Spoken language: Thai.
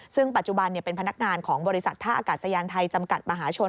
ซึ่งปัจจุบันเป็นพนักงานของบริษัทท่าอากาศยานไทยจำกัดมหาชน